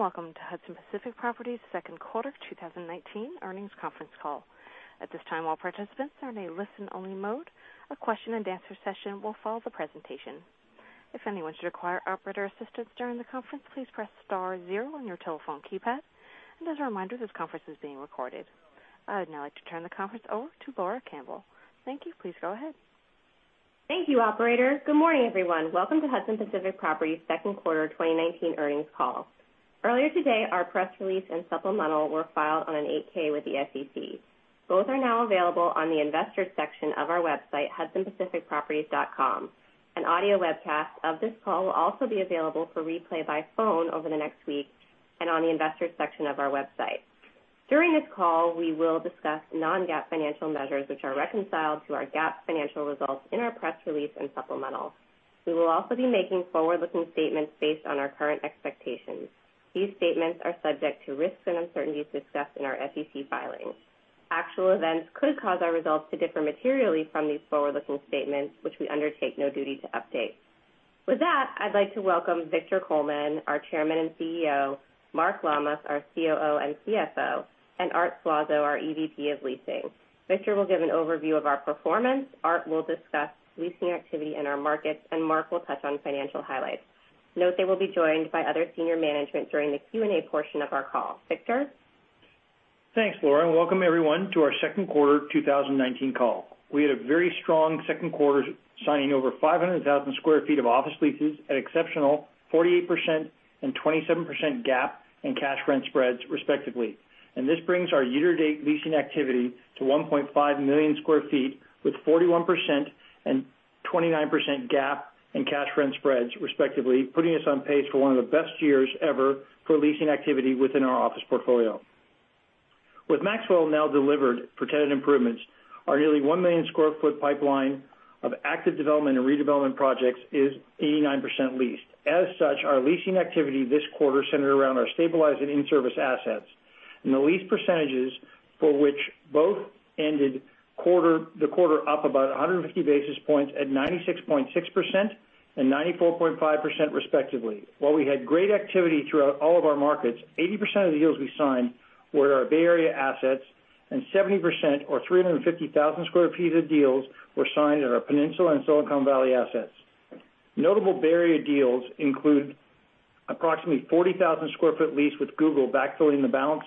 Greetings. Welcome to Hudson Pacific Properties' second quarter 2019 earnings conference call. At this time, all participants are in a listen-only mode. A question-and-answer session will follow the presentation. If anyone should require operator assistance during the conference, please press star zero on your telephone keypad. As a reminder, this conference is being recorded. I would now like to turn the conference over to Laura Campbell. Thank you. Please go ahead. Thank you, operator. Good morning, everyone. Welcome to Hudson Pacific Properties' second quarter 2019 earnings call. Earlier today, our press release and supplemental were filed on an 8-K with the SEC. Both are now available on the Investors section of our website, hudsonpacificproperties.com. An audio webcast of this call will also be available for replay by phone over the next week and on the Investors section of our website. During this call, we will discuss non-GAAP financial measures, which are reconciled to our GAAP financial results in our press release and supplemental. We will also be making forward-looking statements based on our current expectations. These statements are subject to risks and uncertainties discussed in our SEC filings. Actual events could cause our results to differ materially from these forward-looking statements, which we undertake no duty to update. With that, I'd like to welcome Victor Coleman, our chairman and CEO, Mark Lammas, our COO and CFO, and Art Suazo, our EVP of leasing. Victor will give an overview of our performance, Art will discuss leasing activity in our markets, Mark will touch on financial highlights. Note they will be joined by other senior management during the Q&A portion of our call. Victor? Thanks, Laura, and welcome, everyone, to our second quarter 2019 call. We had a very strong second quarter, signing over 500,000 square feet of office leases at exceptional 48% and 27% GAAP and cash rent spreads, respectively. This brings our year-to-date leasing activity to 1.5 million square feet, with 41% and 29% GAAP and cash rent spreads, respectively, putting us on pace for one of the best years ever for leasing activity within our office portfolio. With Maxwell now delivered for tenant improvements, our nearly 1 million square foot pipeline of active development and redevelopment projects is 89% leased. As such, our leasing activity this quarter centered around our stabilized and in-service assets. The lease percentages for which both ended the quarter up about 150 basis points at 96.6% and 94.5%, respectively. While we had great activity throughout all of all of our markets, 80% of the deals we signed were our Bay Area assets, and 70%, or 350,000 sq ft of the deals, were signed at our Peninsula and Silicon Valley assets. Notable Bay Area deals include approximately a 40,000 sq ft lease with Google backfilling the balance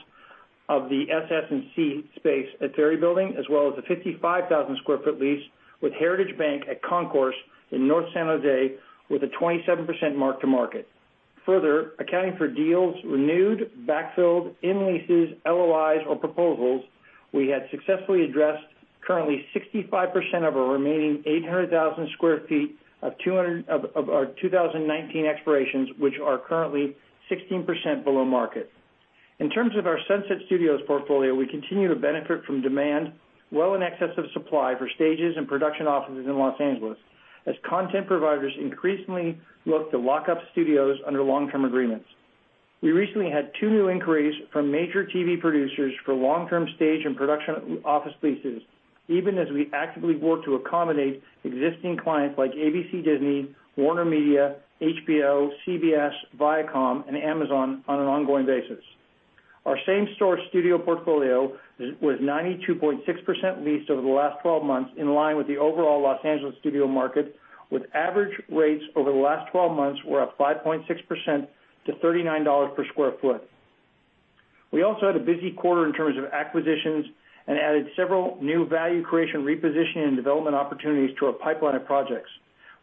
of the SS&C space at Ferry Building, as well as a 55,000 sq ft lease with Heritage Bank at Concourse in North San Jose with a 27% mark to market. Further, accounting for deals renewed, backfilled, in leases, LOIs or proposals, we had successfully addressed currently 65% of our remaining 800,000 sq ft of our 2019 expirations, which are currently 16% below market. In terms of our Sunset Studios portfolio, we continue to benefit from demand well in excess of supply for stages and production offices in Los Angeles as content providers increasingly look to lock up studios under long-term agreements. We recently had two new inquiries from major TV producers for long-term stage and production office leases, even as we actively work to accommodate existing clients like ABC/Disney, WarnerMedia, HBO, CBS, Viacom, and Amazon on an ongoing basis. Our same store studio portfolio was 92.6% leased over the last 12 months, in line with the overall Los Angeles studio market, with average rates over the last 12 months were up 5.6% to $39 per sq ft. We also had a busy quarter in terms of acquisitions and added several new value creation repositioning and development opportunities to our pipeline of projects.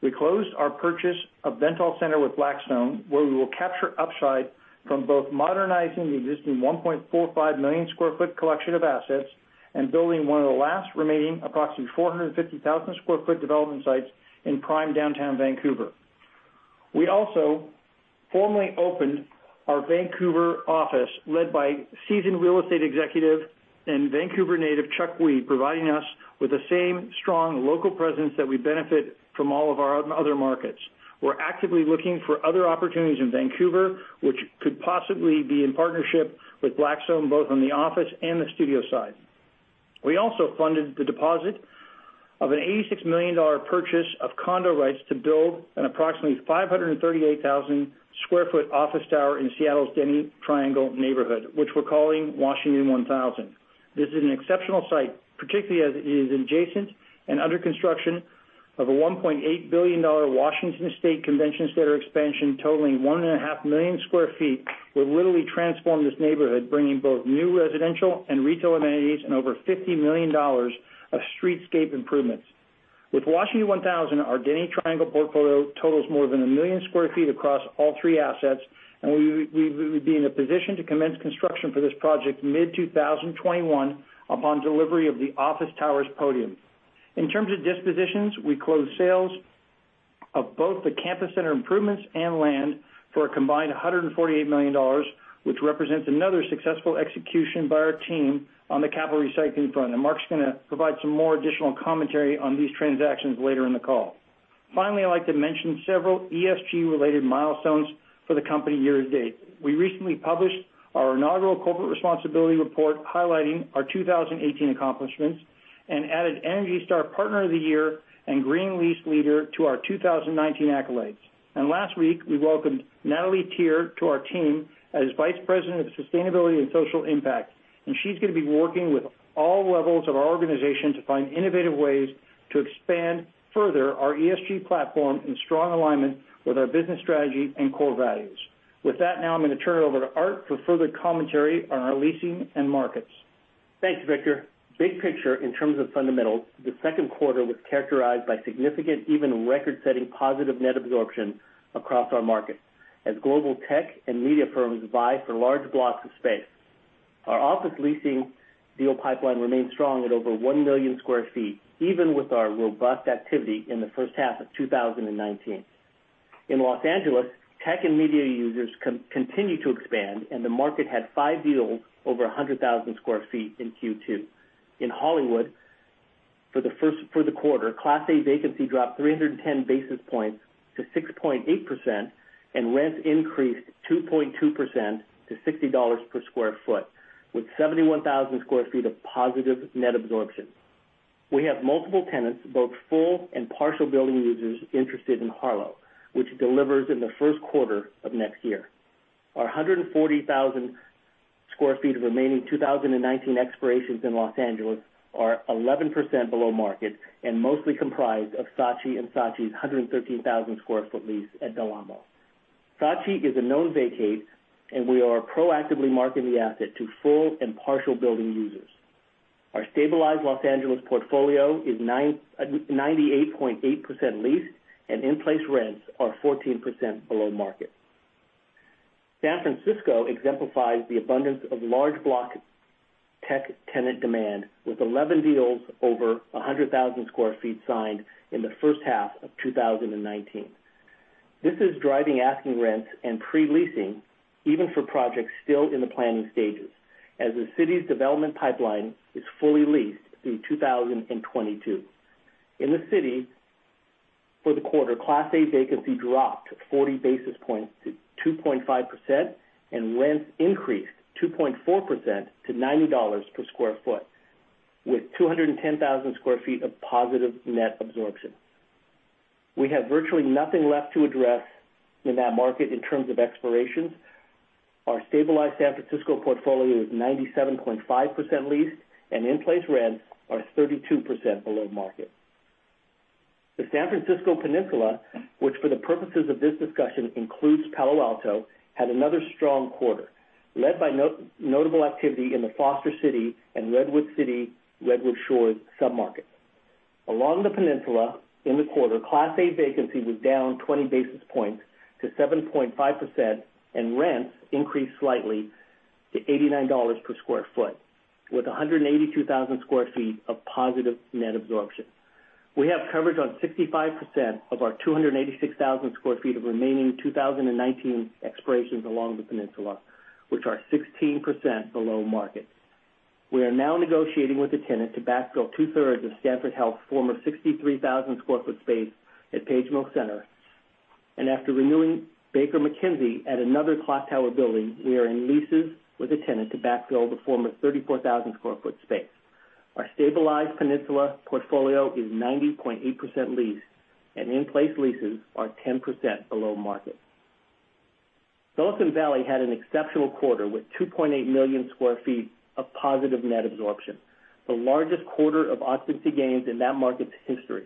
We closed our purchase of Bentall Centre with Blackstone, where we will capture upside from both modernizing the existing 1.45 million sq ft collection of assets and building one of the last remaining approximately 450,000 sq ft development sites in prime downtown Vancouver. We also formally opened our Vancouver office, led by seasoned real estate executive and Vancouver native, Chuck Hui, providing us with the same strong local presence that we benefit from all of our other markets. We're actively looking for other opportunities in Vancouver, which could possibly be in partnership with Blackstone, both on the office and the studio side. We also funded the deposit of an $86 million purchase of condo rights to build an approximately 538,000 sq ft office tower in Seattle's Denny Triangle neighborhood, which we're calling Washington 1000. This is an exceptional site, particularly as it is adjacent and under construction of a $1.8 billion Washington State Convention Center expansion totaling 1.5 million sq ft will literally transform this neighborhood, bringing both new residential and retail amenities and over $50 million of streetscape improvements. With Washington 1000, our Denny Triangle portfolio totals more than 1 million sq ft across all three assets, and we will be in a position to commence construction for this project mid-2021 upon delivery of the office tower's podium. In terms of dispositions, we closed sales of both the campus center improvements and land for a combined $148 million, which represents another successful execution by our team on the capital recycling front. Mark's going to provide some more additional commentary on these transactions later in the call. Finally, I'd like to mention several ESG-related milestones for the company year to date. We recently published our inaugural corporate responsibility report highlighting our 2018 accomplishments and added ENERGY STAR Partner of the Year and Green Lease Leader to our 2019 accolades. Last week, we welcomed Natalie Teear to our team as Vice President of Sustainability and Social Impact, and she's going to be working with all levels of our organization to find innovative ways to expand further our ESG platform in strong alignment with our business strategy and core values. With that, now I'm going to turn it over to Art for further commentary on our leasing and markets. Thanks, Victor. Big picture in terms of fundamentals, the second quarter was characterized by significant, even record-setting positive net absorption across our markets as global tech and media firms vie for large blocks of space. Our office leasing deal pipeline remains strong at over 1 million sq ft, even with our robust activity in the first half of 2019. In L.A., tech and media users continue to expand, and the market had 5 deals over 100,000 sq ft in Q2. In Hollywood, for the quarter, class A vacancy dropped 310 basis points to 6.8%, and rents increased 2.2% to $60 per sq ft, with 71,000 sq ft of positive net absorption. We have multiple tenants, both full and partial building users, interested in Harlow, which delivers in the first quarter of next year. Our 140,000 square feet of remaining 2019 expirations in Los Angeles are 11% below market and mostly comprised of Saatchi & Saatchi's 113,000-square-foot lease at Del Amo. Saatchi is a known vacate, and we are proactively marketing the asset to full and partial building users. Our stabilized Los Angeles portfolio is 98.8% leased, and in-place rents are 14% below market. San Francisco exemplifies the abundance of large block tech tenant demand, with 11 deals over 100,000 square feet signed in the first half of 2019. This is driving asking rents and pre-leasing even for projects still in the planning stages, as the city's development pipeline is fully leased through 2022. In the city, for the quarter, class A vacancy dropped 40 basis points to 2.5%, and rents increased 2.4% to $90 per square foot, with 210,000 square feet of positive net absorption. We have virtually nothing left to address in that market in terms of expirations. Our stabilized San Francisco portfolio is 97.5% leased, and in-place rents are 32% below market. The San Francisco Peninsula, which for the purposes of this discussion includes Palo Alto, had another strong quarter, led by notable activity in the Foster City and Redwood City, Redwood Shores submarkets. Along the Peninsula in the quarter, class A vacancy was down 20 basis points to 7.5%, and rents increased slightly to $89 per square foot, with 182,000 square feet of positive net absorption. We have coverage on 65% of our 286,000 square feet of remaining 2019 expirations along the Peninsula, which are 16% below market. We are now negotiating with a tenant to backfill two-thirds of Stanford Health Care's former 63,000-square-foot space at Page Mill Center. After renewing Baker McKenzie at another Clocktower building, we are in leases with a tenant to backfill the former 34,000-square-foot space. Our stabilized Peninsula portfolio is 90.8% leased, and in-place leases are 10% below market. Silicon Valley had an exceptional quarter with 2.8 million square feet of positive net absorption, the largest quarter of occupancy gains in that market's history.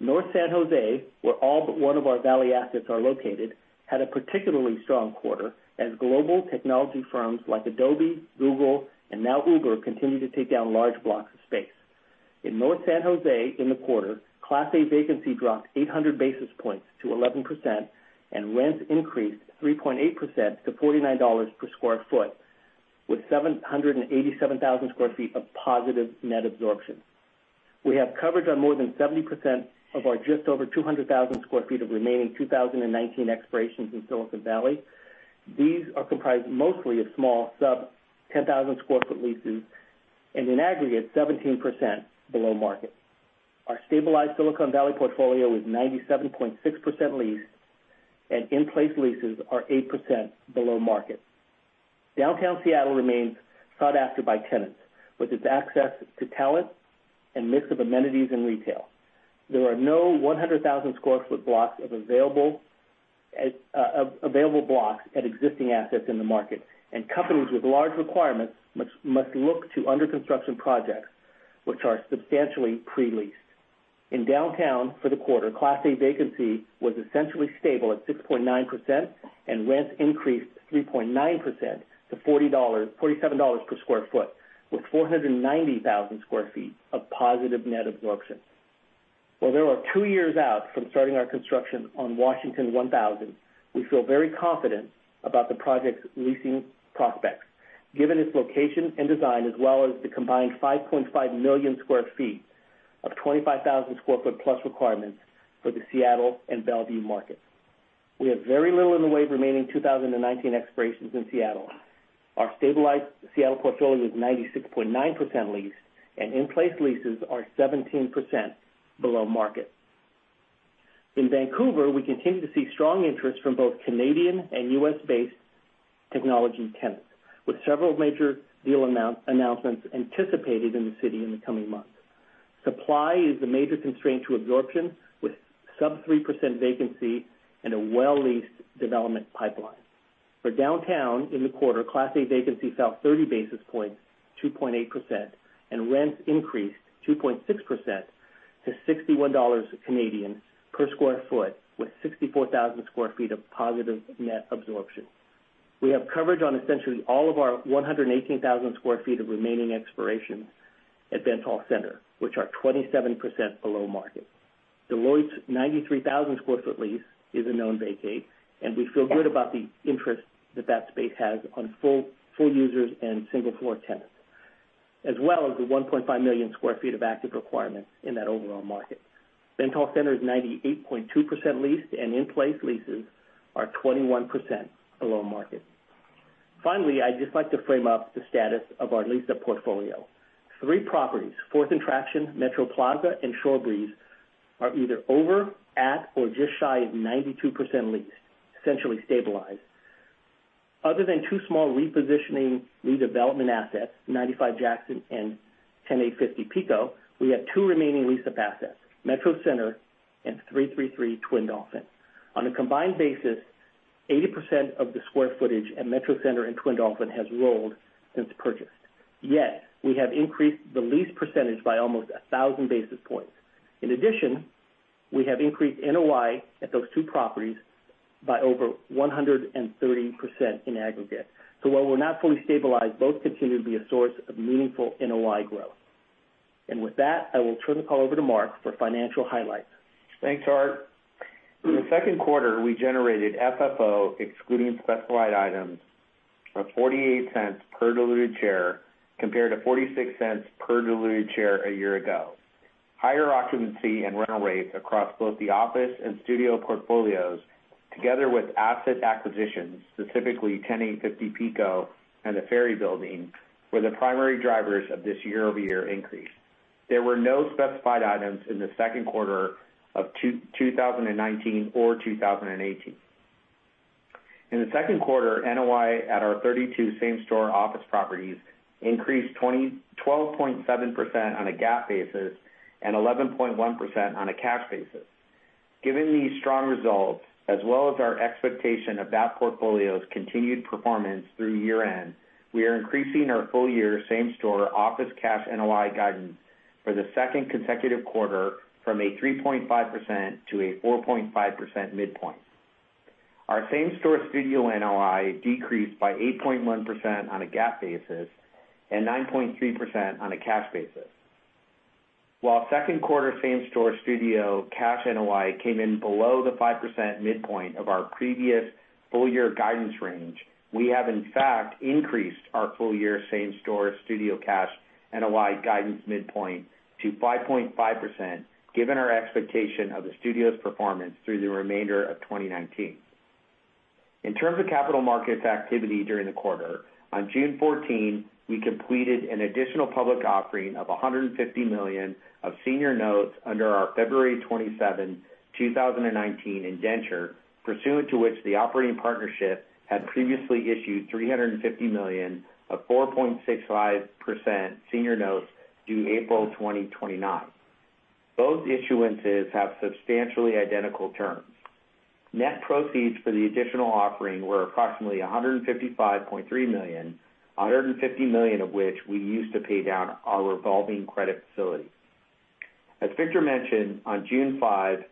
North San Jose, where all but one of our Valley assets are located, had a particularly strong quarter as global technology firms like Adobe, Google, and now Uber continue to take down large blocks of space. In North San Jose in the quarter, class A vacancy dropped 800 basis points to 11%, and rents increased 3.8% to $49 per square foot, with 787,000 square feet of positive net absorption. We have coverage on more than 70% of our just over 200,000 sq ft of remaining 2019 expirations in Silicon Valley. These are comprised mostly of small sub-10,000-sq-ft leases, and in aggregate, 17% below market. Our stabilized Silicon Valley portfolio is 97.6% leased, and in-place leases are 8% below market. Downtown Seattle remains sought after by tenants, with its access to talent and mix of amenities and retail. There are no 100,000-sq-ft blocks of available blocks at existing assets in the market, and companies with large requirements must look to under-construction projects, which are substantially pre-leased. In downtown for the quarter, class A vacancy was essentially stable at 6.9%, and rents increased 3.9% to $47 per sq ft, with 490,000 sq ft of positive net absorption. While we are two years out from starting our construction on Washington 1000, we feel very confident about the project's leasing prospects, given its location and design, as well as the combined 5.5 million square feet of 25,000-square-foot-plus requirements for the Seattle and Bellevue market. We have very little in the way of remaining 2019 expirations in Seattle. Our stabilized Seattle portfolio is 96.9% leased, and in-place leases are 17% below market. In Vancouver, we continue to see strong interest from both Canadian and U.S.-based technology tenants, with several major deal announcements anticipated in the city in the coming months. Supply is the major constraint to absorption, with sub 3% vacancy and a well-leased development pipeline. For downtown in the quarter, Class A vacancy fell 30 basis points, 2.8%, and rents increased 2.6% to CA$61 per square foot, with 64,000 square feet of positive net absorption. We have coverage on essentially all of our 118,000 sq ft of remaining expirations at Bentall Centre, which are 27% below market. Deloitte's 93,000 sq ft lease is a known vacate, and we feel good about the interest that space has on full users and single-floor tenants, as well as the 1.5 million sq ft of active requirements in that overall market. Bentall Centre is 98.2% leased, and in-place leases are 21% below market. Finally, I'd just like to frame up the status of our lease-up portfolio. Three properties, Fourth and Traction, Metro Plaza, and ShoreBreeze, are either over, at, or just shy of 92% leased, essentially stabilized. Other than two small repositioning redevelopment assets, 95 Jackson and 10850 Pico, we have two remaining lease-up assets, Metro Center and 333 Twin Dolphin. On a combined basis, 80% of the square footage at Metro Center and Twin Dolphin has rolled since purchased. Yet, we have increased the lease percentage by almost 1,000 basis points. In addition, we have increased NOI at those two properties by over 130% in aggregate. While we're not fully stabilized, both continue to be a source of meaningful NOI growth. With that, I will turn the call over to Mark for financial highlights. Thanks, Art. In the second quarter, we generated FFO excluding specified items of $0.48 per diluted share, compared to $0.46 per diluted share a year ago. Higher occupancy and rental rates across both the office and studio portfolios, together with asset acquisitions, specifically 10850 Pico and The Ferry Building, were the primary drivers of this year-over-year increase. There were no specified items in the second quarter of 2019 or 2018. In the second quarter, NOI at our 32 same-store office properties increased 12.7% on a GAAP basis and 11.1% on a cash basis. Given these strong results, as well as our expectation of that portfolio's continued performance through year-end, we are increasing our full-year same-store office cash NOI guidance for the second consecutive quarter from a 3.5% to a 4.5% midpoint. Our same-store studio NOI decreased by 8.1% on a GAAP basis and 9.3% on a cash basis. While second quarter same-store studio cash NOI came in below the 5% midpoint of our previous full-year guidance range, we have in fact increased our full-year same-store studio cash NOI guidance midpoint to 5.5%, given our expectation of the studio's performance through the remainder of 2019. In terms of capital markets activity during the quarter, on June 14, we completed an additional public offering of $150 million of senior notes under our February 27, 2019 indenture, pursuant to which the operating partnership had previously issued $350 million of 4.65% senior notes due April 2029. Both issuances have substantially identical terms. Net proceeds for the additional offering were approximately $155.3 million, $150 million of which we used to pay down our revolving credit facility. As Victor mentioned, on June 5,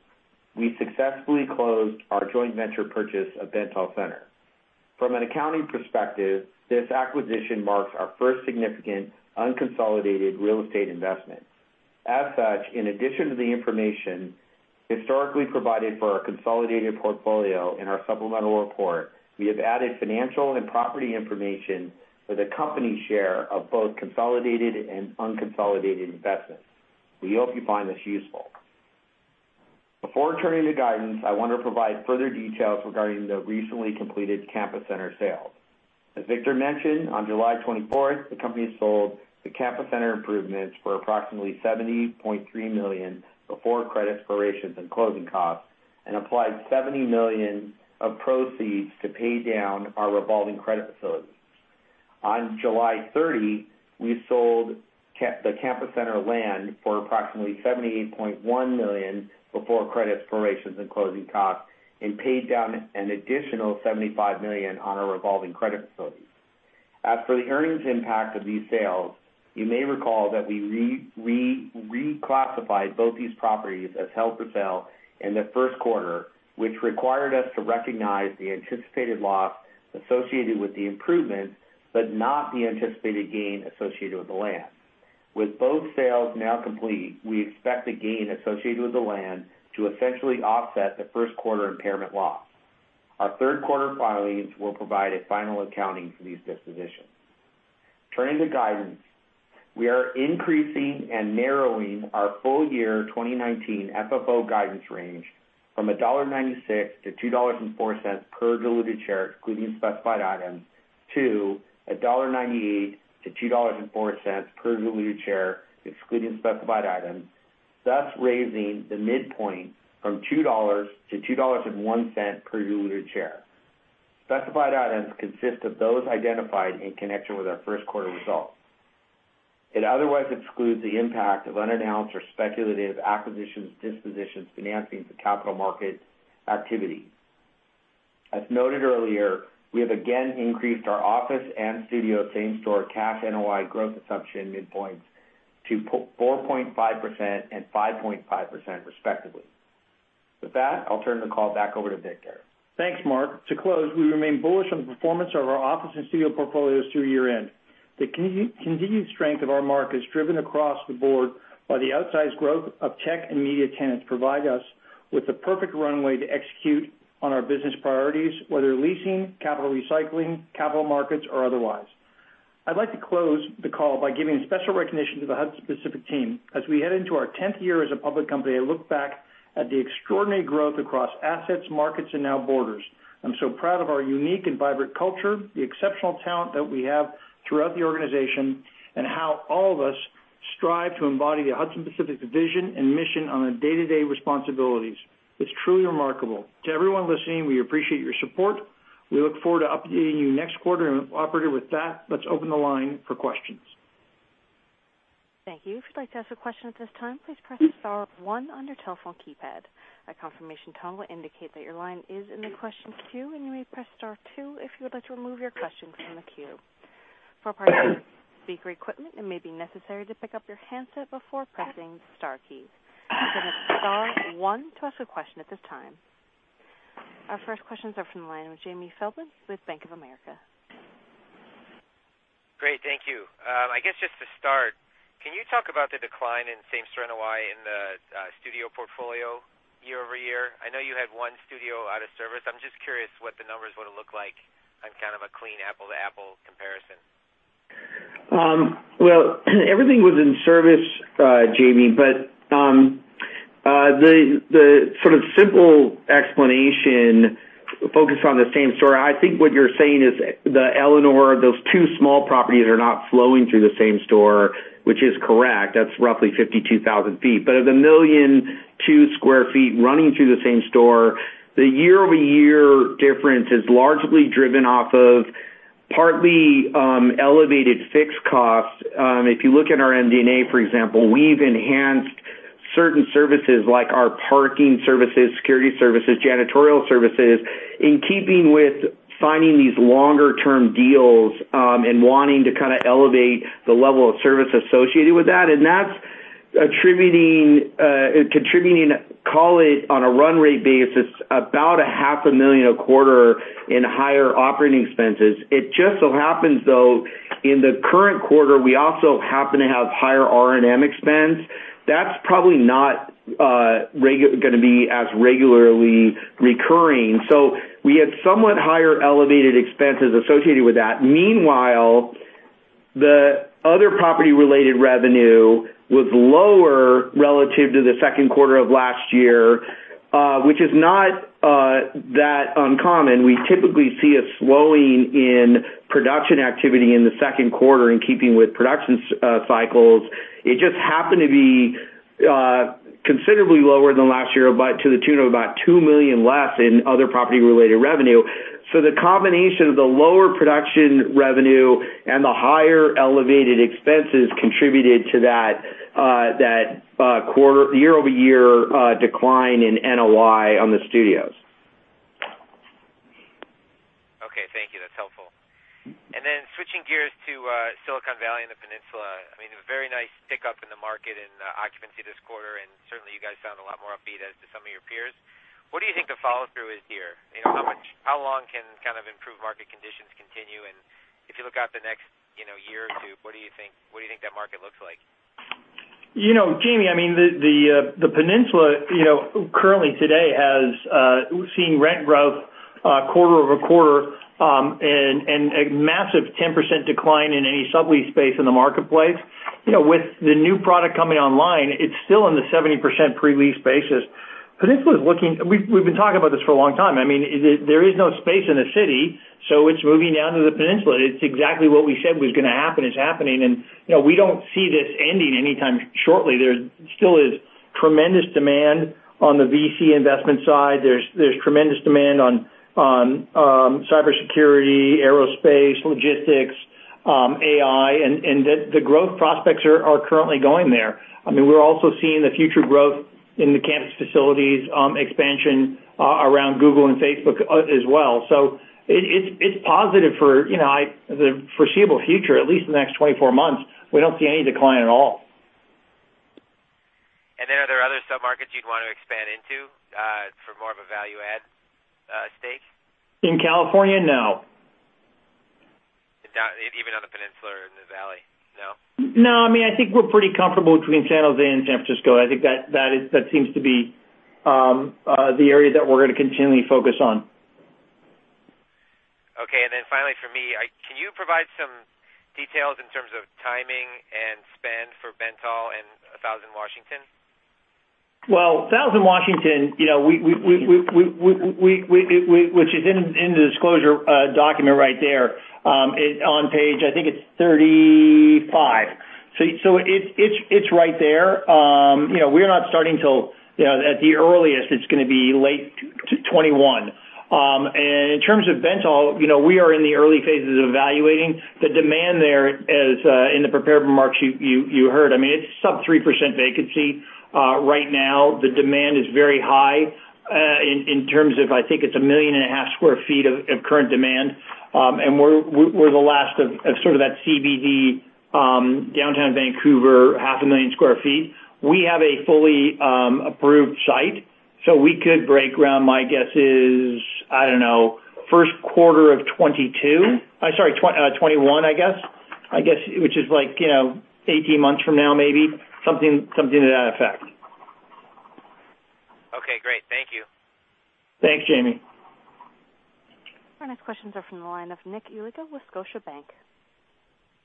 we successfully closed our joint venture purchase of Bentall Centre. From an accounting perspective, this acquisition marks our first significant unconsolidated real estate investment. As such, in addition to the information historically provided for our consolidated portfolio in our supplemental report, we have added financial and property information for the company's share of both consolidated and unconsolidated investments. We hope you find this useful. Before turning to guidance, I want to provide further details regarding the recently completed Campus Center sale. As Victor mentioned, on July 24, the company sold the Campus Center improvements for approximately $70.3 million before credit expirations and closing costs and applied $70 million of proceeds to pay down our revolving credit facilities. On July 30, we sold the Campus Center land for approximately $78.1 million before credit expirations and closing costs and paid down an additional $75 million on our revolving credit facilities. As for the earnings impact of these sales, you may recall that we reclassified both these properties as held for sale in the first quarter, which required us to recognize the anticipated loss associated with the improvements, but not the anticipated gain associated with the land. With both sales now complete, we expect the gain associated with the land to essentially offset the first quarter impairment loss. Our third quarter filings will provide a final accounting for these dispositions. Turning to guidance, we are increasing and narrowing our full year 2019 FFO guidance range from $1.96-$2.04 per diluted share, excluding specified items, to $1.98-$2.04 per diluted share, excluding specified items, thus raising the midpoint from $2-$2.01 per diluted share. Specified items consist of those identified in connection with our first quarter results. It otherwise excludes the impact of unannounced or speculative acquisitions, dispositions, financings, or capital market activity. As noted earlier, we have again increased our office and studio same store cash NOI growth assumption midpoints to 4.5% and 5.5% respectively. With that, I'll turn the call back over to Victor. Thanks, Mark. To close, we remain bullish on the performance of our office and studio portfolios through year-end. The continued strength of our markets, driven across the board by the outsized growth of tech and media tenants, provide us with the perfect runway to execute on our business priorities, whether leasing, capital recycling, capital markets, or otherwise. I'd like to close the call by giving special recognition to the Hudson Pacific Properties team. As we head into our 10th year as a public company, I look back at the extraordinary growth across assets, markets, and now borders. I'm so proud of our unique and vibrant culture, the exceptional talent that we have throughout the organization, and how all of us strive to embody the Hudson Pacific Properties vision and mission on our day-to-day responsibilities. It's truly remarkable. To everyone listening, we appreciate your support. We look forward to updating you next quarter. Operator, with that, let's open the line for questions. Thank you. If you'd like to ask a question at this time, please press star one on your telephone keypad. A confirmation tone will indicate that your line is in the question queue, and you may press star two if you would like to remove your question from the queue. For parties using speaker equipment, it may be necessary to pick up your handset before pressing the star keys. You may press star one to ask a question at this time. Our first questions are from the line of Jamie Feldman with Bank of America. Great. Thank you. I guess just to start, can you talk about the decline in same-store NOI in the studio portfolio year-over-year? I know you had one studio out of service. I'm just curious what the numbers would've looked like on kind of a clean apple-to-apple comparison. Everything was in service, Jamie. The sort of simple explanation focused on the same store. I think what you're saying is the Eleanor, those two small properties are not flowing through the same store, which is correct. That's roughly 52,000 feet. Of the 1.2 million square feet running through the same store, the year-over-year difference is largely driven off of partly elevated fixed costs. If you look at our MD&A, for example, we've enhanced certain services like our parking services, security services, janitorial services, in keeping with signing these longer-term deals, and wanting to kind of elevate the level of service associated with that. That's contributing, call it on a run rate basis, about a half a million a quarter in higher operating expenses. It just so happens, though, in the current quarter, we also happen to have higher R&M expense. That's probably not going to be as regularly recurring. We had somewhat higher elevated expenses associated with that. Meanwhile, the other property-related revenue was lower relative to the second quarter of last year, which is not that uncommon. We typically see a slowing in production activity in the second quarter in keeping with production cycles. It just happened to be considerably lower than last year, to the tune of about $2 million less in other property-related revenue. The combination of the lower production revenue and the higher elevated expenses contributed to that year-over-year decline in NOI on the studios. Okay. Thank you. That's helpful. Switching gears to Silicon Valley and the Peninsula. A very nice pickup in the market and occupancy this quarter, and certainly you guys sound a lot more upbeat as to some of your peers. What do you think the follow-through is here? How long can kind of improved market conditions continue? If you look out the next year or two, what do you think that market looks like? Jamie, the Peninsula currently today has seen rent growth quarter-over-quarter, a massive 10% decline in any sublease space in the marketplace. With the new product coming online, it's still in the 70% pre-lease basis. We've been talking about this for a long time. There is no space in the city. It's moving down to the Peninsula. It's exactly what we said was going to happen, is happening. We don't see this ending anytime shortly. There still is tremendous demand on the VC investment side. There's tremendous demand on cybersecurity, aerospace, logistics, AI. The growth prospects are currently going there. We're also seeing the future growth in the campus facilities expansion around Google and Facebook as well. It's positive for the foreseeable future. At least in the next 24 months, we don't see any decline at all. Are there other sub-markets you'd want to expand into, for more of a value add stake? In California? No. Even on the Peninsula or in the Valley? No, I think we're pretty comfortable between San Jose and San Francisco. I think that seems to be the area that we're going to continually focus on. Okay. Finally for me, can you provide some details in terms of timing and spend for Bentall and Washington 1000? Well, Washington 1000, which is in the disclosure document right there, on page, I think it's 35. It's right there. We're not starting till, at the earliest, it's going to be late 2021. In terms of Bentall, we are in the early phases of evaluating. The demand there, as in the prepared remarks you heard, it's sub 3% vacancy. Right now, the demand is very high, in terms of, I think it's 1.5 million sq ft of current demand. We're the last of sort of that CBD downtown Vancouver, 0.5 million sq ft. We have a fully approved site. We could break ground, my guess is, I don't know, first quarter of 2022. Sorry, 2021, I guess. Which is 18 months from now, maybe. Something to that effect. Okay, great. Thank you. Thanks, Jamie. Our next questions are from the line of Nick Yulico with Scotiabank.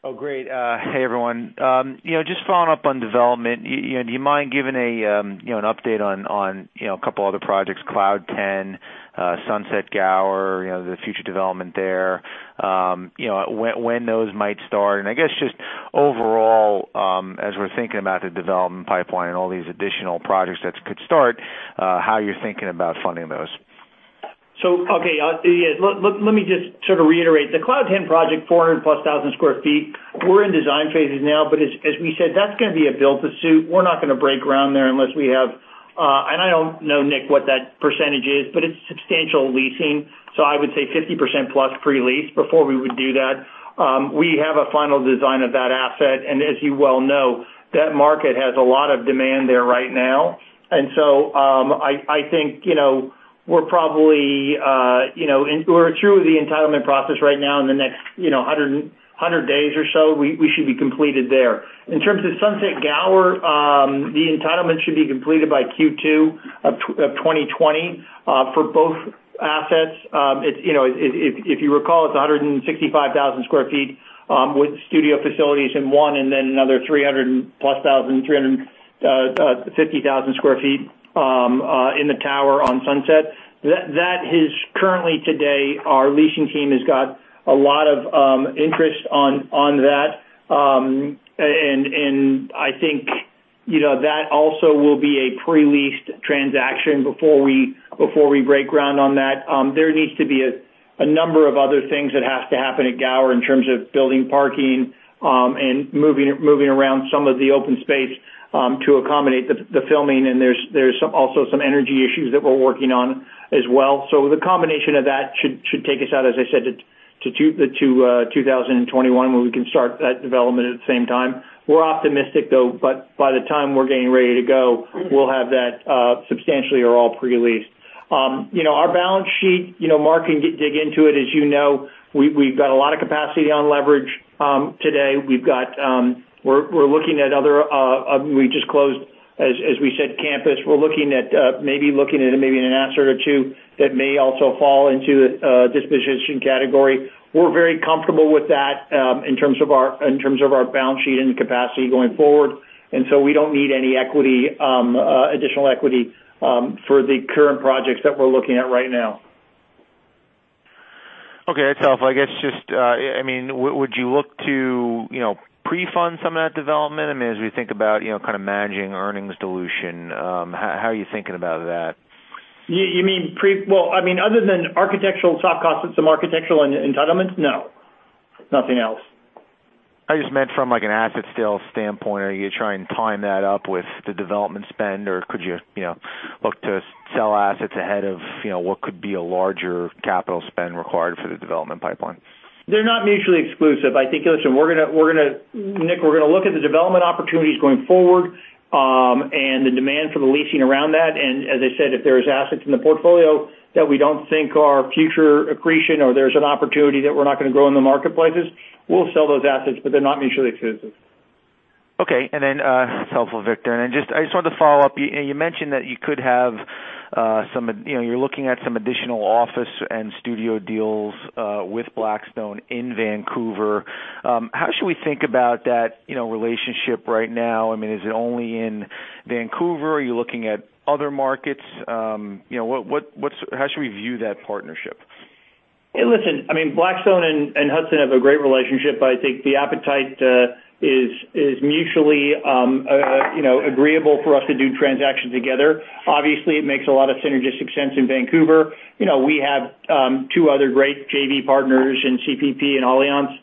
Oh, great. Hey, everyone. Just following up on development. Do you mind giving an update on a couple other projects, Cloud 10, Sunset Gower, the future development there, when those might start, and I guess just overall, as we're thinking about the development pipeline and all these additional projects that could start, how you're thinking about funding those? Okay. Let me just sort of reiterate. The Cloud 10 project, 400,000 plus square feet. We're in design phases now, as we said, that's going to be a build to suit. We're not going to break ground there unless we have I don't know, Nick, what that percentage is, it's substantial leasing. I would say 50% plus pre-lease before we would do that. We have a final design of that asset, as you well know, that market has a lot of demand there right now. I think we're through the entitlement process right now. In the next 100 days or so, we should be completed there. In terms of Sunset Gower, the entitlement should be completed by Q2 of 2020 for both assets. If you recall, it's 165,000 square feet with studio facilities in one, and then another 350,000 square feet in the tower on Sunset. That is currently today, our leasing team has got a lot of interest on that. I think that also will be a pre-leased transaction before we break ground on that. There needs to be a number of other things that have to happen at Gower in terms of building parking, and moving around some of the open space, to accommodate the filming, and there's also some energy issues that we're working on as well. The combination of that should take us out, as I said, to 2021, when we can start that development at the same time. We're optimistic, though, by the time we're getting ready to go, we'll have that substantially or all pre-leased. Our balance sheet, Mark can dig into it. As you know, we've got a lot of capacity on leverage today. We just closed, as we said, Campus. We're maybe looking at maybe an asset or two that may also fall into disposition category. We're very comfortable with that, in terms of our balance sheet and capacity going forward. We don't need any additional equity for the current projects that we're looking at right now. Okay. That's helpful. I guess just, would you look to pre-fund some of that development? As we think about kind of managing earnings dilution, how are you thinking about that? You mean other than architectural soft costs and some architectural and entitlements, no. Nothing else. I just meant from an asset sale standpoint, are you going to try and time that up with the development spend, or could you look to sell assets ahead of what could be a larger capital spend required for the development pipeline? They're not mutually exclusive. I think, listen, Nick, we're going to look at the development opportunities going forward, and the demand for the leasing around that. As I said, if there's assets in the portfolio that we don't think are future accretion or there's an opportunity that we're not going to grow in the marketplaces, we'll sell those assets, but they're not mutually exclusive. That's helpful, Victor. I just wanted to follow up. You mentioned that you're looking at some additional office and studio deals with Blackstone in Vancouver. How should we think about that relationship right now? Is it only in Vancouver? Are you looking at other markets? How should we view that partnership? Hey, listen. Blackstone and Hudson have a great relationship. I think the appetite is mutually agreeable for us to do transactions together. Obviously, it makes a lot of synergistic sense in Vancouver. We have two other great JV partners in CPP and Allianz,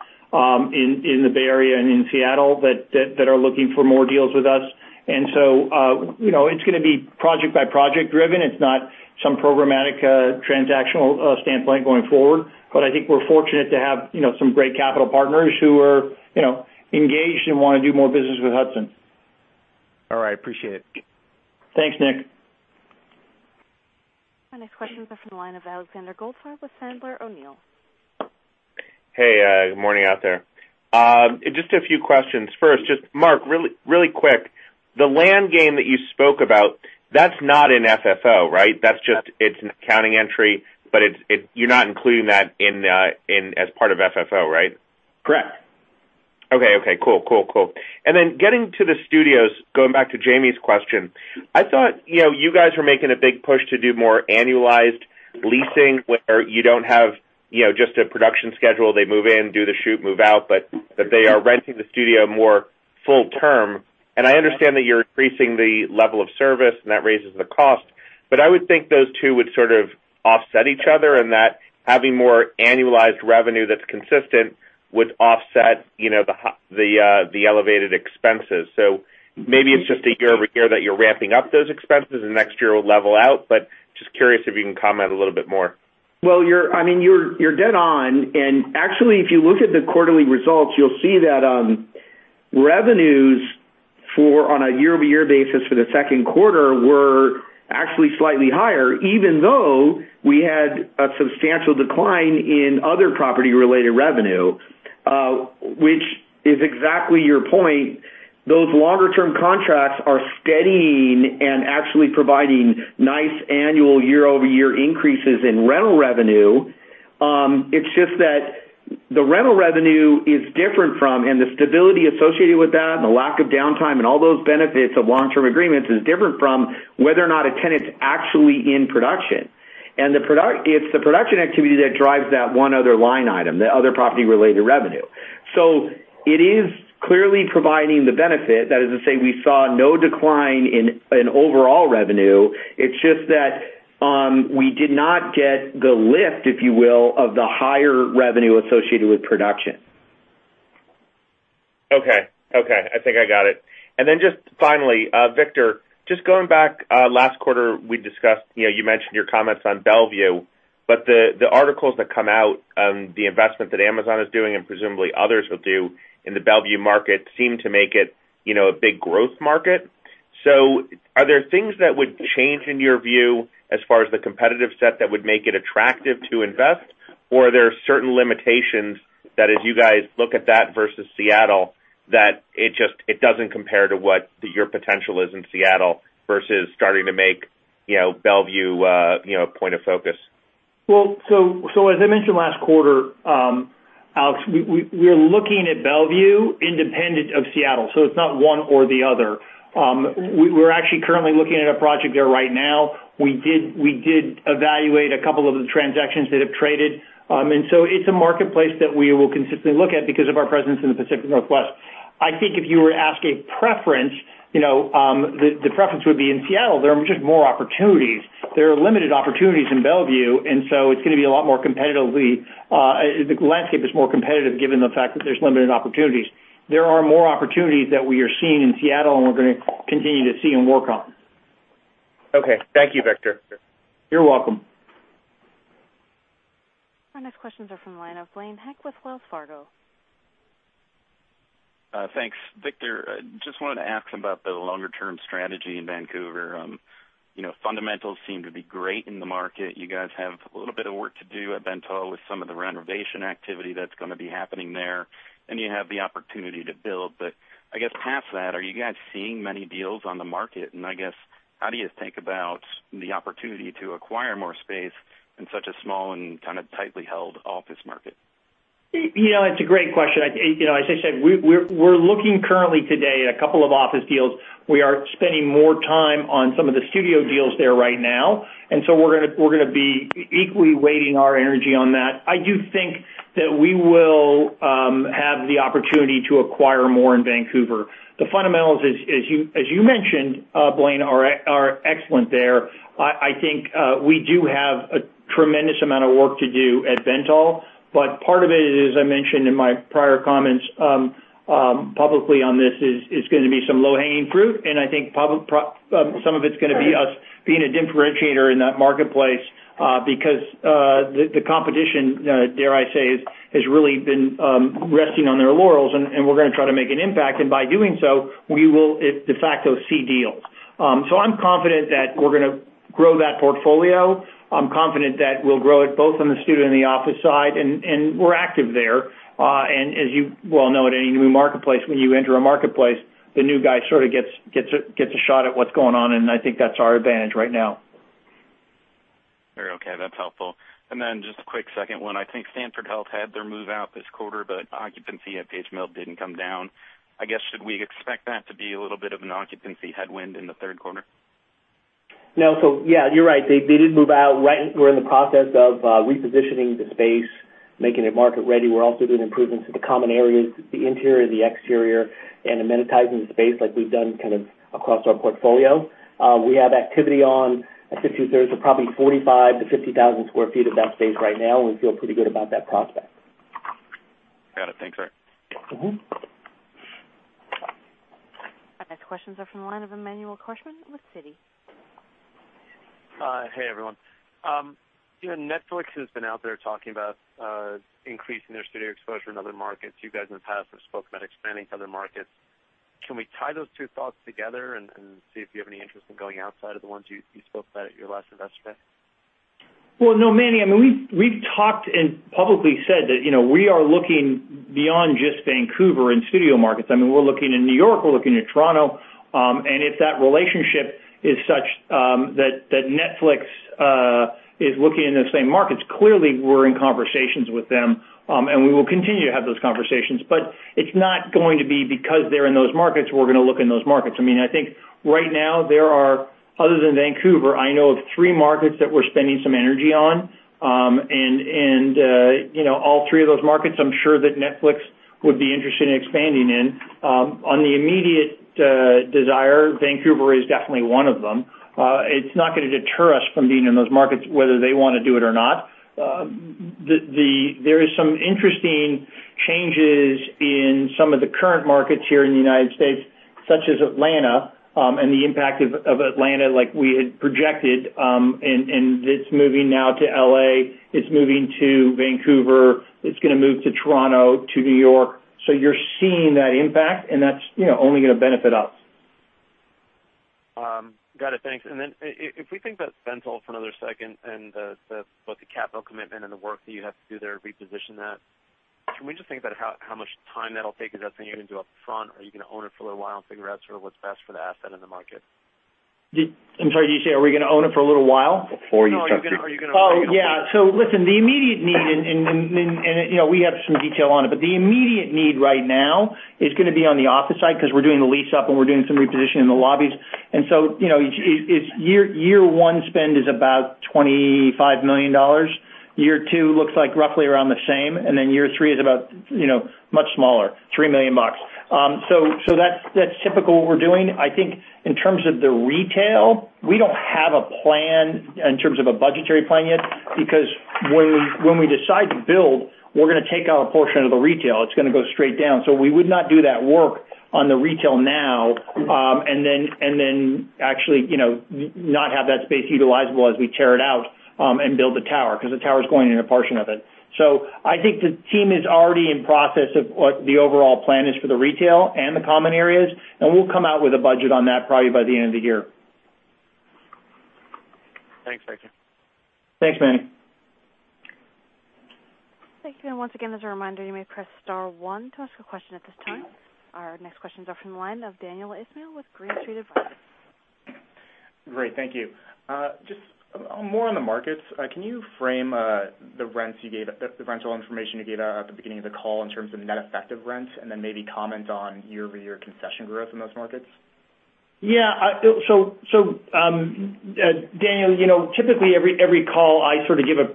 in the Bay Area and in Seattle that are looking for more deals with us. It's going to be project by project driven. It's not some programmatic transactional standpoint going forward. I think we're fortunate to have some great capital partners who are engaged and want to do more business with Hudson. All right. Appreciate it. Thanks, Nick. Our next questions are from the line of Alexander Goldfarb with Sandler O'Neill. Hey, good morning out there. Just a few questions. First, just Mark, really quick, the land game that you spoke about, that's not in FFO, right? It's an accounting entry, but you're not including that as part of FFO, right? Correct. Okay. Cool. Getting to the studios, going back to Jamie's question, I thought you guys were making a big push to do more annualized leasing where you don't have just a production schedule. They move in, do the shoot, move out, but that they are renting the studio more full-term. I understand that you're increasing the level of service and that raises the cost, but I would think those two would sort of offset each other and that having more annualized revenue that's consistent would offset the elevated expenses. Maybe it's just a year-over-year that you're ramping up those expenses and next year it'll level out. Just curious if you can comment a little bit more. Well, you're dead on. Actually, if you look at the quarterly results, you'll see that revenues on a year-over-year basis for the second quarter were actually slightly higher, even though we had a substantial decline in other property-related revenue, which is exactly your point. Those longer-term contracts are steadying and actually providing nice annual year-over-year increases in rental revenue. It's just that the rental revenue is different from, and the stability associated with that and the lack of downtime and all those benefits of long-term agreements is different from whether or not a tenant's actually in production. It's the production activity that drives that one other line item, the other property-related revenue. It is clearly providing the benefit. That is to say, we saw no decline in overall revenue. It's just that we did not get the lift, if you will, of the higher revenue associated with production. Okay. I think I got it. Then just finally, Victor, just going back, last quarter we discussed, you mentioned your comments on Bellevue, the articles that come out, the investment that Amazon is doing and presumably others will do in the Bellevue market seem to make it a big growth market. Are there things that would change in your view as far as the competitive set that would make it attractive to invest? Are there certain limitations that as you guys look at that versus Seattle, that it doesn't compare to what your potential is in Seattle versus starting to make Bellevue a point of focus? As I mentioned last quarter, Alex, we're looking at Bellevue independent of Seattle, so it's not one or the other. We're actually currently looking at a project there right now. We did evaluate a couple of the transactions that have traded. It's a marketplace that we will consistently look at because of our presence in the Pacific Northwest. I think if you were asking preference, the preference would be in Seattle. There are just more opportunities. There are limited opportunities in Bellevue, so it's going to be a lot more competitive. The landscape is more competitive given the fact that there's limited opportunities. There are more opportunities that we are seeing in Seattle and we're going to continue to see and work on. Okay. Thank you, Victor. You're welcome. Our next questions are from the line of Blaine Heck with Wells Fargo. Thanks. Victor, just wanted to ask about the longer-term strategy in Vancouver. Fundamentals seem to be great in the market. You guys have a little bit of work to do at Bentall with some of the renovation activity that's going to be happening there, and you have the opportunity to build. I guess past that, are you guys seeing many deals on the market? I guess, how do you think about the opportunity to acquire more space in such a small and kind of tightly held office market? It's a great question. As I said, we're looking currently today at a couple of office deals. We are spending more time on some of the studio deals there right now. We're going to be equally weighting our energy on that. I do think that we will have the opportunity to acquire more in Vancouver. The fundamentals, as you mentioned, Blaine, are excellent there. I think we do have a tremendous amount of work to do at Bentall, but part of it is, I mentioned in my prior comments publicly on this, is going to be some low-hanging fruit, and I think some of it's going to be us being a differentiator in that marketplace because the competition, dare I say, has really been resting on their laurels and we're going to try to make an impact. By doing so, we will, de facto, see deals. I'm confident that we're going to grow that portfolio. I'm confident that we'll grow it both on the studio and the office side, and we're active there. As you well know, at any new marketplace, when you enter a marketplace, the new guy sort of gets a shot at what's going on, and I think that's our advantage right now. Very okay. That's helpful. Just a quick second one. I think Stanford Health had their move out this quarter, but occupancy at Page Mill didn't come down. I guess, should we expect that to be a little bit of an occupancy headwind in the third quarter? No. Yeah, you're right. They did move out. We're in the process of repositioning the space, making it market-ready. We're also doing improvements to the common areas, the interior, the exterior, and amenitizing the space like we've done kind of across our portfolio. We have activity on, I think two-thirds or probably 45,000-50,000 sq ft of that space right now, and we feel pretty good about that prospect. Got it. Thanks, sir. Our next questions are from the line of Emmanuel Korchman with Citi. Hey, everyone. Netflix has been out there talking about increasing their studio exposure in other markets. You guys in the past have spoken about expanding to other markets. Can we tie those two thoughts together and see if you have any interest in going outside of the ones you spoke about at your last investor day? No, Manny, we've talked and publicly said that we are looking beyond just Vancouver and studio markets. We're looking in New York, we're looking in Toronto. If that relationship is such that Netflix is looking in the same markets, clearly we're in conversations with them, and we will continue to have those conversations. It's not going to be because they're in those markets, we're going to look in those markets. I think right now there are, other than Vancouver, I know of three markets that we're spending some energy on. All three of those markets, I'm sure that Netflix would be interested in expanding in. On the immediate desire, Vancouver is definitely one of them. It's not going to deter us from being in those markets whether they want to do it or not. There are some interesting changes in some of the current markets here in the United States, such as Atlanta, and the impact of Atlanta like we had projected, and it's moving now to L.A. It's moving to Vancouver. It's going to move to Toronto, to New York. You're seeing that impact, and that's only going to benefit us. Got it. Thanks. If we think about Bentall for another second and both the capital commitment and the work that you have to do there to reposition that, can we just think about how much time that'll take? Is that something you can do up front, or are you going to own it for a little while and figure out sort of what's best for the asset in the market? I'm sorry, did you say are we going to own it for a little while? Before you- Oh, yeah. Listen, the immediate need, and we have some detail on it, but the immediate need right now is going to be on the office side because we're doing the lease-up and we're doing some repositioning in the lobbies. Year one spend is about $25 million. Year two looks like roughly around the same, then year three is much smaller, $3 million. That's typical what we're doing. I think in terms of the retail, we don't have a plan in terms of a budgetary plan yet, because when we decide to build, we're going to take out a portion of the retail. It's going to go straight down. We would not do that work on the retail now, and then actually not have that space utilizable as we tear it out and build the tower, because the tower's going in a portion of it. I think the team is already in process of what the overall plan is for the retail and the common areas, and we'll come out with a budget on that probably by the end of the year. Thanks, Victor. Thanks, Manny. Thank you. Once again, as a reminder, you may press star one to ask a question at this time. Our next questions are from the line of Daniel Ismail with Green Street Advisors. Great. Thank you. Just more on the markets. Can you frame the rental information you gave out at the beginning of the call in terms of net effective rents, and then maybe comment on year-over-year concession growth in those markets? Yeah. Daniel, typically every call, I sort of give a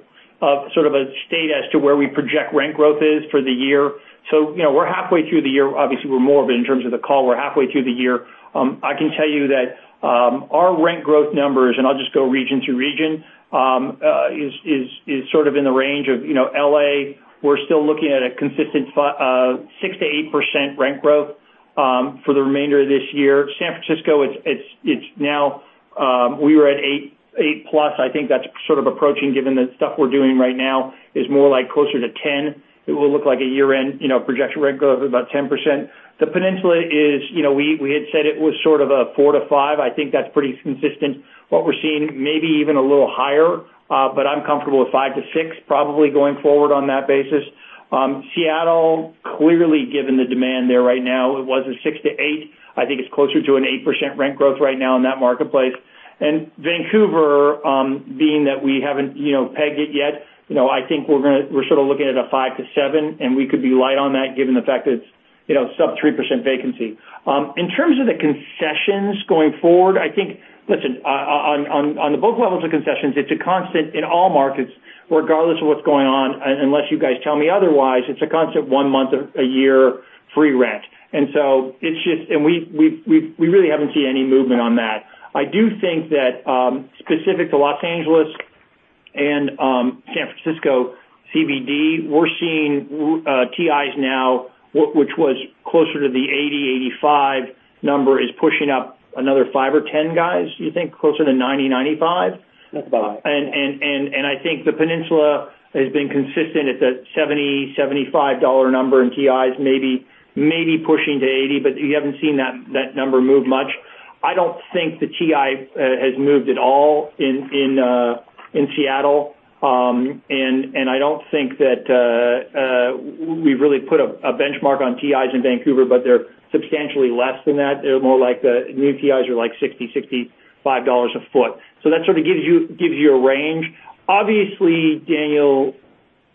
state as to where we project rent growth is for the year. We're halfway through the year. Obviously, we're more of it in terms of the call. I can tell you that our rent growth numbers, and I'll just go region to region, is sort of in the range of L.A., we're still looking at a consistent 6%-8% rent growth for the remainder of this year. San Francisco, we were at 8+. I think that's sort of approaching, given the stuff we're doing right now, is more closer to 10. It will look like a year-end projection rent growth of about 10%. The Peninsula, we had said it was sort of a 4-5. I think that's pretty consistent what we're seeing, maybe even a little higher. I'm comfortable with 5%-6% probably going forward on that basis. Seattle, clearly given the demand there right now, it was a 6%-8%. I think it's closer to an 8% rent growth right now in that marketplace. Vancouver, being that we haven't pegged it yet, I think we're sort of looking at a 5%-7%, and we could be light on that given the fact that it's sub 3% vacancy. In terms of the concessions going forward, I think, listen, on the book levels of concessions, it's a constant in all markets regardless of what's going on, unless you guys tell me otherwise, it's a constant one month a year free rent. We really haven't seen any movement on that. I do think that specific to Los Angeles and San Francisco CBD, we're seeing TIs now, which was closer to the $80-$85 number, is pushing up another $5 or $10, guys, do you think? Closer to $90-$95? That's about it. I think the Peninsula has been consistent at that $70, $75 number in TIs, maybe pushing to 80, but you haven't seen that number move much. I don't think the TI has moved at all in Seattle. I don't think that we've really put a benchmark on TIs in Vancouver, but they're substantially less than that. They're more like the new TIs are like $60, $65 a foot. That sort of gives you a range. Obviously, Daniel,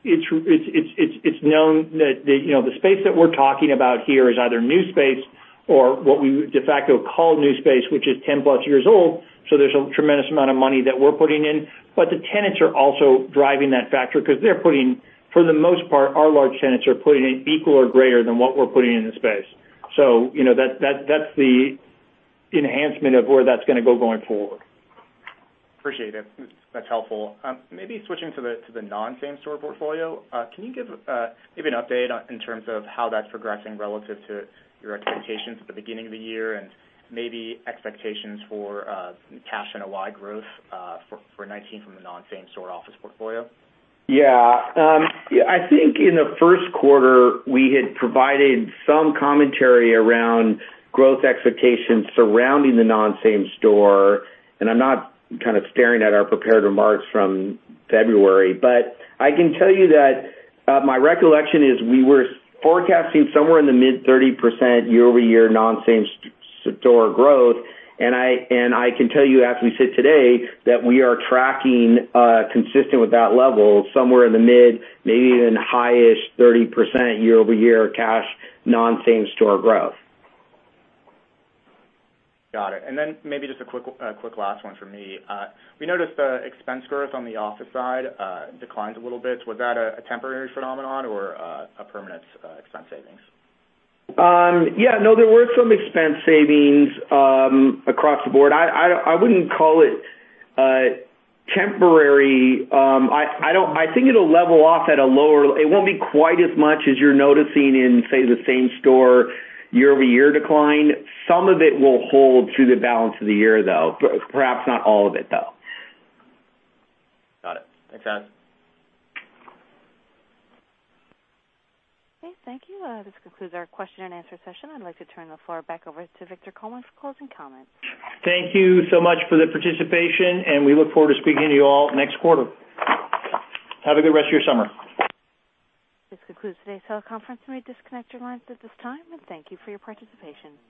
it's known that the space that we're talking about here is either new space or what we de facto call new space, which is 10-plus years old. There's a tremendous amount of money that we're putting in. The tenants are also driving that factor because they're putting, for the most part, our large tenants are putting in equal or greater than what we're putting in the space. That's the enhancement of where that's going to go going forward. Appreciate it. That's helpful. Maybe switching to the non-same-store portfolio. Can you give maybe an update in terms of how that's progressing relative to your expectations at the beginning of the year and maybe expectations for cash NOI growth for '19 from the non-same-store office portfolio? Yeah. I think in the first quarter, we had provided some commentary around growth expectations surrounding the non-same-store. I'm not kind of staring at our prepared remarks from February, but I can tell you that my recollection is we were forecasting somewhere in the mid-30% year-over-year non-same-store growth. I can tell you as we sit today that we are tracking consistent with that level, somewhere in the mid, maybe even high-ish 30% year-over-year cash non-same-store growth. Got it. Then maybe just a quick last one from me. We noticed the expense growth on the office side declined a little bit. Was that a temporary phenomenon or a permanent expense savings? Yeah, no, there were some expense savings across the board. I wouldn't call it temporary. I think it'll level off. It won't be quite as much as you're noticing in, say, the same store year-over-year decline. Some of it will hold through the balance of the year, though. Perhaps not all of it, though. Got it. Thanks, guys. Okay, thank you. This concludes our question and answer session. I'd like to turn the floor back over to Victor Coleman for closing comments. Thank you so much for the participation. We look forward to speaking to you all next quarter. Have a good rest of your summer. This concludes today's teleconference. You may disconnect your lines at this time, and thank you for your participation.